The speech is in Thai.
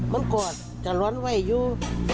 มันกอดจะร้อนไว้อยู่